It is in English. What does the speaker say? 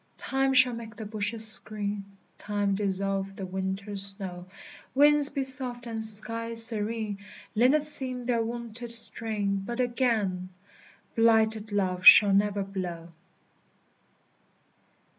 Time shall make the bushes green; Time dissolve the winter snow; Winds be soft, and skies serene; Linnets sing their wonted strain: But again Blighted love shall never blow!